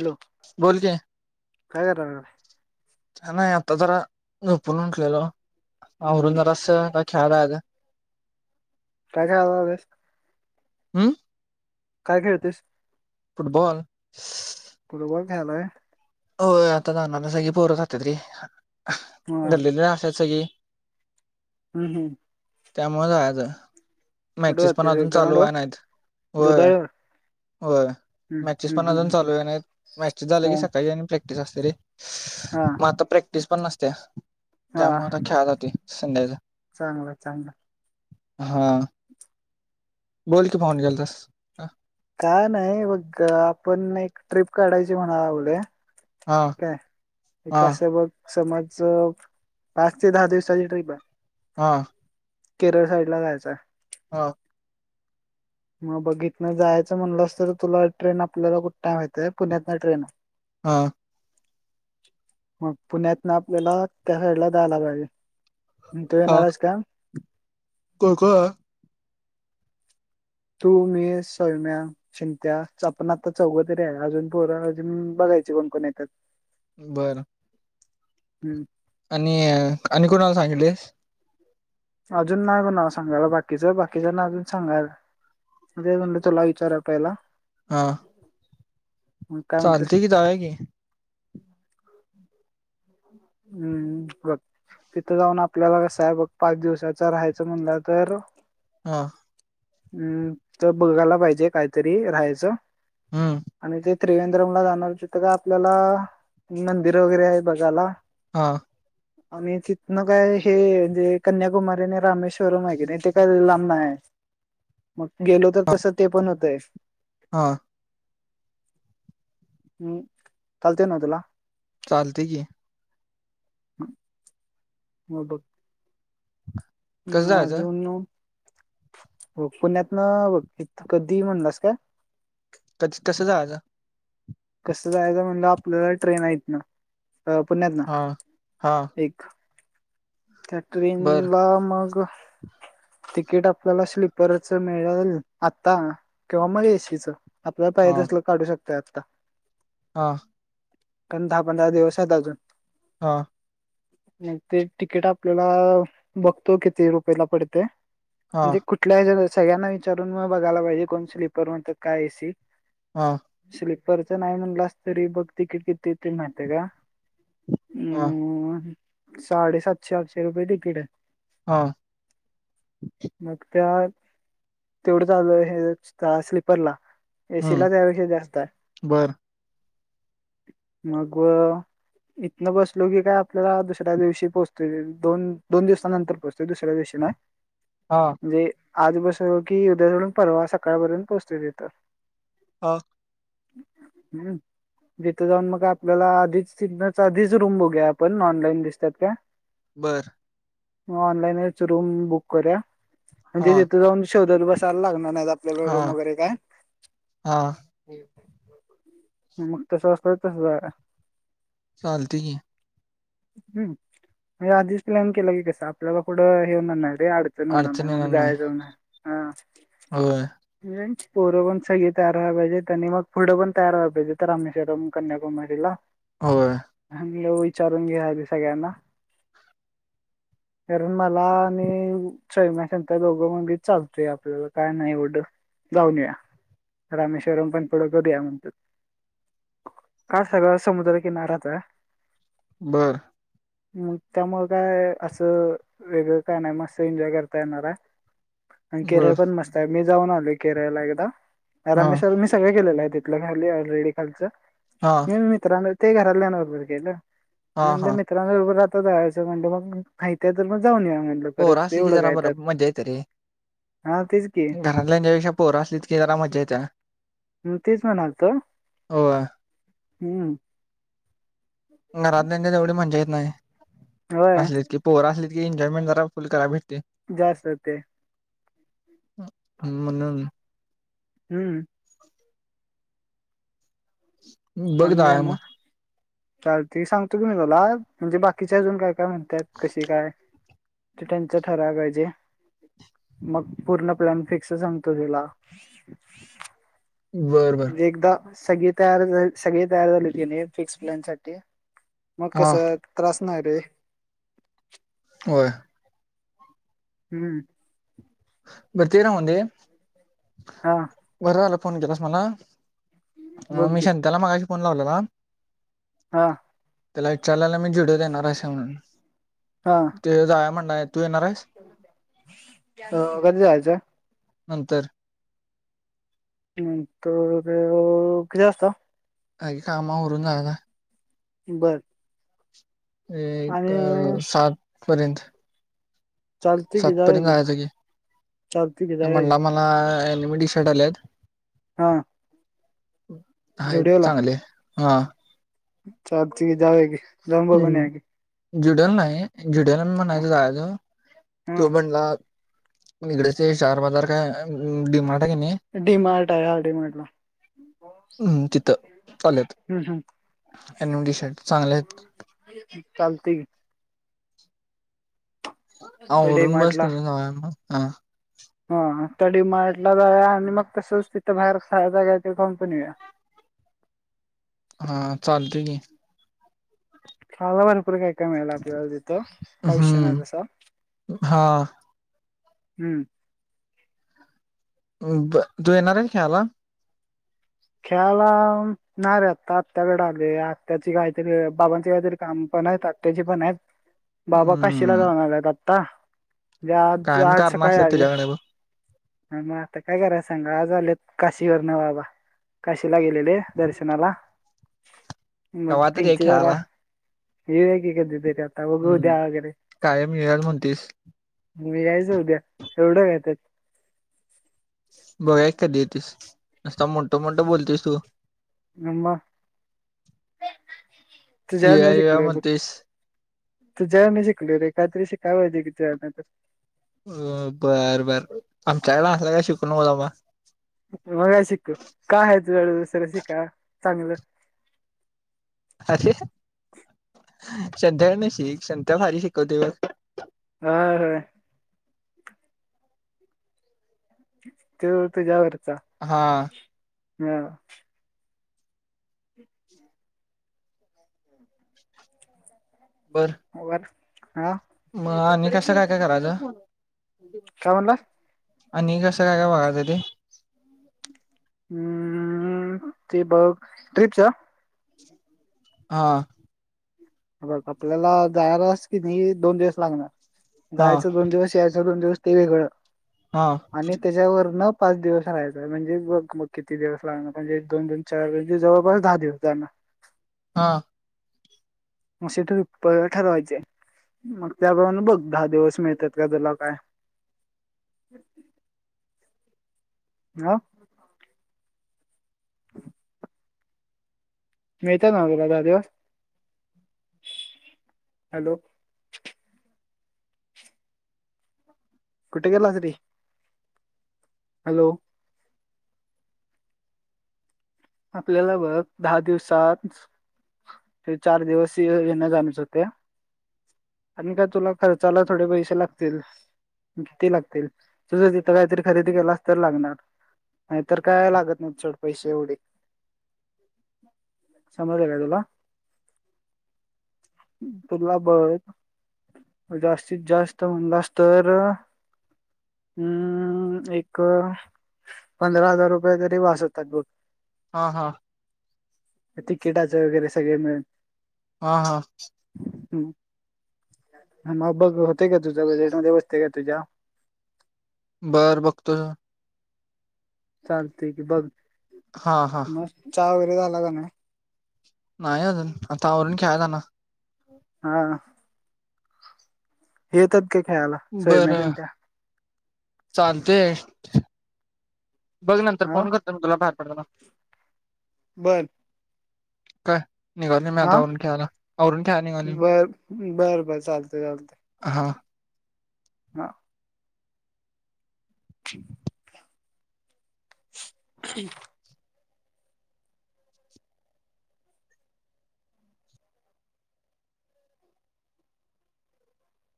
Hello, बोल की काय कर [unintelligible] तर जरा झोपून उठलेलो. आवरून हम्म जरासं [unintelligible] खार प्र का हम्म काय खेळतेस फुटबॉल फुटबॉोल हलोय हो आता जाणार सग पोर खातात र हा गल्ली असायच की हम्म हम्म त्यामुळे जायाचं मॅचेस पण जाते अजून चालू ग्राउंड वर व्हाय नाहीत. होय दुधाळवर होय हम्म मॅचेस हम्म पण अजून हम्म हम्म. चालू व्हाय नाहीत मॅचेस आला की सकाळी आणि प्रॅक् तेच असते रे हा हा म आता प्रॅक तीस पन्नास तीस त्यामुळं आता खेळाय जातोय संध्याच चांगलाय चांगलाय हा बोल कि भावा फोन केलतास आ का नाही बघ आपण एक ट्रिप काढायची म्हणाय लागलोय हा काय? हे हा कसं बघ समज पाच ते दहा दिवसाची ट्रिप आहे हा केरळ साइड ला जायचंय हा मग बघ इतन जायचं म्हंटलास तर तुला ट्रेन आपल्याला कुठन हाय माहित्ये पुण्यातन हाय ट्रेन हा मग पुण्यातनं आपल्याला त्या साईडला जायला पाहिजे तू येणार आहेस का कोकोण आहे तू मी सोयम्या चिंत्या आपण आता चौघ तरी आहे अजून पोरं अजून बघायचे कोण कोण येत्यात?? बरं हम्म. आणि अं आणि कोणाला सांगित प्लिस अजून नाही ग नाव सांगायला बाकीच बाकीचाना अजून सांगायचय तेच म्हंटल तुला विचारव पहिला हा मग [inaudible] काय म्हणतोस चालतय कि जाऊया कि- [inaudible] [inaudible] [inaudible] हम्म बघ [inaudible] तिथं जाऊन आपल्याला कसं आहे बघ पाच दिवसाचा राहायचं म्हणलं तर हा [inaudible] हम्म [inaudible] तर बघायला पाहिजे काहीतरी राहायचं. हम्म- [inaudible] त्रिवेद्रम ला जाणार तिथं काय आपल्याला [inaudible] मंदिर वगैरे आहेत. बघाला हा [inaudible] आणि तिथनं काय हे देवी कन्याकुमारी आणि रामेश्- श्वरम हाय कि नाही ते काय लांब नाही हाय, [inaudible] मग - गेलो त तस तो पण होतय. [inaudible] हा- [inaudible] हम्म चालतंय ना तुला? चालतंय की. [unintelligible] [inaudible] कसं जायचं अजून हो पुण्यात न [unintelligible] कधी म्हणलास काय? [inaudible] कसं जायचं? कसं जायचं म्हणलं आपलं ट्रेन आय इथनं अ पुण्यातनं हा हा एक. बर कॅटरीनला मग तिकीट आपल्याला स्लीपरच मिळल आत्ता किंवा म एसीचं. आपल्याला पाहिजे तसलं काढू शक [unintelligible] हां. पण दहा-पंधरा दिवस आहेत अजून हां. [unintelligible] तिकीट आपल्याला बगतो किती रुपयेला पडतंय. हा म्हणजे कुठल्या [unintelligible] सगळ्यांना विचारून म बगायला पाहिजे कोण स्लीपर म्हणतात काय ए सी? हां. परचं नाही म्हणलास तरी बग तिकीट किती होतंय माहितेय का? हा अम्म. साडे सातशे आठशे रुपये तिकीट आहे. हा मग त्या तेवढंच [inaudible] हे स्लीपरला हम्म एसीला त्यापेक्षा जास्त आय बर मग अ इतनं बसलो की काय आपल्याला दुसऱ्या दिवशी पोहोच ते दोन दोन दिवसानंतर पोहचतो दुसऱ्या दिवशी ना हा जे आज बसलो की उद्या [inaudible] परवा सकाळपर्यंत पोहोचत येतं हा तिथ जाऊन मग आपल्याला [inaudible] आधीच रूम बघूया आपण ऑनलाईन दिसतात काय बर म ऑलाईनच रुम बुक करुया हा म्हणजे तिथे जाऊन शोधन बसायला लाग हा रूम वरे काय हा मग तसं वात तस जा चालती ह हम्म म्हणजे आधीच प्लॅन केला कस आपल्याला कुढं हे होणार नाही अडचण होणार नाही मग जाय जाऊन ह होय पोरं पण सगळी तयार व्हाला पाहिजेत आणि मग पुढं पण तयार व्हाला पाहिजे तर रामेश्वरम कन्याकुमारीला होय हला विचारून घ्याली सगळ्यांना कारण मला मी सैमांत दोघं मगी चालतोय आपल्याला काय नाहीवढं जाऊन रामेश्वरम पण पुढं करूया म्हणतात का सग समुद्रकिनाराचा बर मम् त्यामुळे काय असं वेगळं का नाही मस् एन्जॉय करता येणारा बर अंकिराय पण मस्त आहे मी जाऊन आले करायला एकदा हा रामेश्वर मी सगळे केले आहे ेतलं खाली रेडी खालच हा म मितित तेगारल्याे नोगरत केेल हा हा मितां चं म्हण मग माहिती आहे तर मण जाऊन या म्हणलं बोर परत असली की एवढं जरा काय त्यात. बरं मजा येत रे हा तेच की घरातल्याच्या्यापेक्षा पोहर असलीत की जरा मज्जा येत मग तेच म्हणालतो हो हम्म घरातल्याच्या तेवढी म्हणज येत नाही होय असलेच की पोहर असली. एंजॉयेंटरा फु करा भटते. जा सकते ह म्हणून हम्म. हम्. बघदा आहे मग चाल ते सांग. तुम्हीलात म्हजे बाकी तिच्या अजून का काय म्हणतात कशी काय. ते त्यांच ठराव पाहिजे मग पूर्ण प्लॅन फिक्स सांगतो तुला बर बर. म्हणजे एकदा सगळी तयार झा सगळी तयार झाली गेली फिक्स प्लॅन साठी मग हा कस त्रास नाय रे होय. हम्म बर ते राहूंदे. हा घरला [unintelligible] फोन केलास मला? बोल हम मी की शांत्याला मगा फोन लावला ना हा त्याला विचारलायला मी जोडी देणार असे म्हणून हा ते जाय म्हण नाही. टू येणार आहेस. अ कधी जायच. नंतर नंतर अ किती वाजत आई कामावरून जायना बर. एक आणि सात पर्यंत चालतंय की जाऊया सातपर्यंत जायचं की चालतंय की जाऊया की म्हणला मला अ टीशर्ट आल्यात हा हाय चांगले. हा. चालतेय जाऊया की. जाऊन बघून या की झुडिओला नाही. झुडिओला मी म्हणायचो जायचो हा तो म्हणला निगडचे चार बाजार काय डिमार्ट आता कणीं डी मार्ट आहे हा डी मार्टला तिने तिथं चाल्यात हम्म हम्म आणि न्यू शर्ट चांगले आहेत चालतंय की की डी आवरून मार्टला बसतोयस नव्ह मग. हा हा त्या डीमार्टला जाऊया आणि मग तसच तिथं बाहेर खायला जाऊया काय ते खाऊन पण येऊया. हा चालतेय की खावा भरपूर काय काय मिळाला काय विषय नाय हम्म तसा. हा हम्म बर तू येणार आहे खेळायला खेळाला नाही रे आता आत्याकडे आलो या आत्याची काहीतरी बाबांची काहीतरी काम पण आहेत आत्याची पण आहेत. बाबा काशीला हम्म जाणार आहेत त्ता आज कायम आज कारण सकाळी असतात ऐकलं तुझ्याकडे बघ मग आता काय कराय सांगा आज आलेत काशीवर न बाबा काशीला गेलेले दर्शनाला मग कवा तरी ये त्यांची जरा खेळायला येऊया की कधीतरी आता बघू हम्म उद्या वगैरे कायम मिळाल म्हणतीस मी यायचं उद्या एवढ काय त्यात. बघाय कधी येतीस नुसता मोठं मोठं बोलतीस तू आमा येऊया तुझ्याकडून येऊया शिकलोय बग. म्हणतेस तुझ्याकडनं शिकलोय रे काहीतरी शिकायला पाहिजे तुझ्याकडं तर. अ बरं बर आमच्याकडणं असला काय शिकून नको बाबा मग काय शिकू काय आहे तुझ्याकडे दुसर शिकाय. चांगलं अरे संत्या कड न शिक संत्या भारी शिकवतोय बघ हा हा तू तुझ्यावर हा आ. हा. बर होय. आ. मग आम्ही कसं काय काय करायचं. काय म्हणला. आणि कसं काय काय बघायचं ते. हम्म ते बघ ट्रिपच. आ न. बघ आपल्याला जायलास की नाही दोन दिवस लागणार. हा जायचं दोन दिवस यायच. दोन दिवस ते वेगळं. हा आणि त्याच्यावर न. पाच दिवस राहायचं म्हणजे बग मग किती दिवस लागण म्हणजे दोन दोन चार म्हजे जवळपास दहा दिवस जाण. हा. म तू ठरवायचे मग त्यामुळे बघ दहा दिवस मिळतात का तुला काय? हा. मीहता ना बोलाता देव हॅलो. कुठे गेला तरी हॅलो. आपल्याला बघ दहा दिवसात ते चार दिवस येण्या जाणच होते आणि का तुला खर्चाला थोडे पैसे लागतील किती लागतील तुझर तिथं काहीतरी खरेदी केला अस तर लागणार नाहीतर काय लागत नाही छोट पैसे एवढे. समज का तुला तुला बघ जास्तीत जास्त म्हणलास तर अम एक पंधरा हजार रुपये तरी वाचवतात बघ. हा हा. किटाच वगैरे सगळे मिळून. हा हा. ह मग बघ होते का तुझेट मध्ये बसते का तुझ्या बार वक्त चालतेठी क बघ. हा हा मस् चचा लाग ना. नाही अजून आता औरण ख्यायता ना. हा. हे तर खेळाला सोय बरं मशीन त्या [inaudible] बघ नंतर हा फोन करतो मी तुला बाार ह. बंद. का? हा निघालोय मी बर बर बर चालत चालत. हा हा. [unintelligible] [unintelligible]